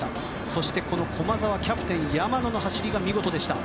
そして駒澤、キャプテン山野の走りが見事でした。